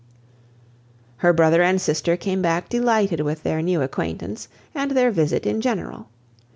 Her brother and sister came back delighted with their new acquaintance, and their visit in general.